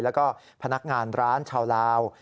แล้วก็พนักงานร้านชาวลาว